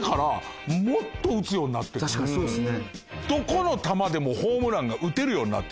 確かにそうですね。